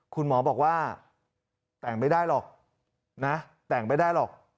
คุณหมอบอกว่าแต่งไม่ได้หรอกนะแต่งไม่ได้หรอก